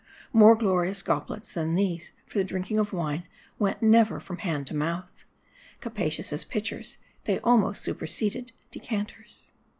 More glorious goblets than these for the drinking of wine, went never from hand to mouth. Capacious as pitchers, they almost superseded decanters.